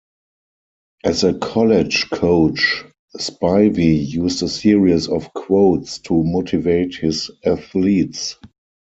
As a college coach, Spivey used a series of quotes to motivate his athletes.